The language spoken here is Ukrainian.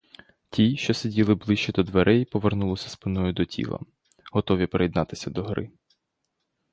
Ті, що сиділи ближче до дверей, повернулись спиною до тіла, готові приєднатись до гри.